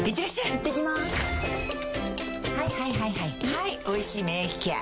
はい「おいしい免疫ケア」